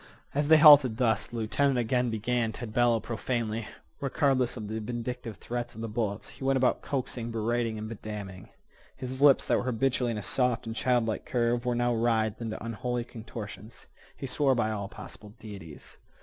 As they halted thus the lieutenant again began to bellow profanely. Regardless of the vindictive threats of the bullets, he went about coaxing, berating, and bedamning. His lips, that were habitually in a soft and childlike curve, were now writhed into unholy contortions. He swore by all possible deities.